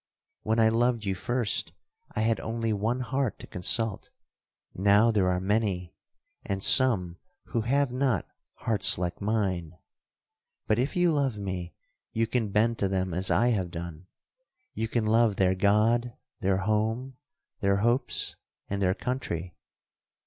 When I loved you first, I had only one heart to consult,—now there are many, and some who have not hearts like mine. But if you love me, you can bend to them as I have done—you can love their God, their home, their hopes, and their country.